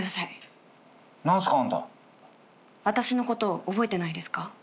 私のことを覚えてないですか？